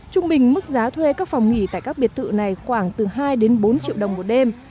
trung bình mức giá thuê các phòng nghỉ tại các biệt thự này khoảng từ hai đến bốn triệu đồng một đêm